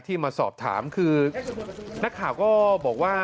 มาสอบถามคือนักข่าวก็บอกว่า